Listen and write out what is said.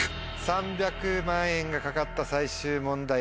３００万円が懸かった最終問題